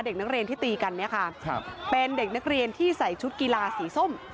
เด็กนักเรียนที่ตีกันเนี่ยค่ะครับเป็นเด็กนักเรียนที่ใส่ชุดกีฬาสีส้ม